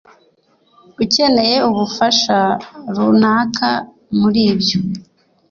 ukeneye ubufasha runaka muribyo